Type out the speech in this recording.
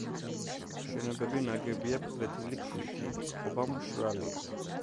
შენობები ნაგებია ფლეთილი ქვით, წყობა მშრალია.